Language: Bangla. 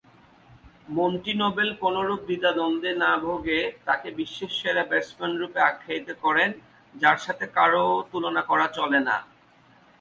মন্টি নোবেল কোনরূপ দ্বিধা-দ্বন্দ্বে না ভোগে তাকে বিশ্বের সেরা ব্যাটসম্যানরূপে আখ্যায়িত করেন যার সাথে কারও তুলনা করা চলে না।